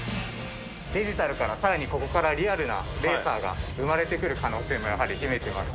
デジタルからさらにここからリアルなレーサーが生まれてくる可能性もかなり秘めていますし。